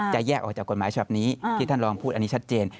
แยกออกจากกฎหมายฉบับนี้ที่ท่านลองพูดอันนี้ชัดเจน